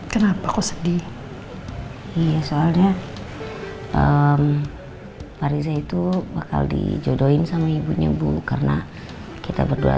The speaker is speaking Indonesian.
kenapa kok sedih iya soalnya pak riza itu bakal dijodohin sama ibunya bu karena kita berdua